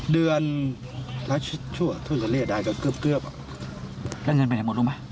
รักษาราชชั่วทุนเฉลี่ยได้ก็เกือบอ่ะแล้วเงินไปไหนหมดลูกมั้ย